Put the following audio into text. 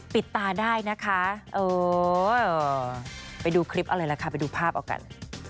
ปิดตาได้นะคะเออไปดูคลิปอะไรล่ะค่ะไปดูภาพเอากัน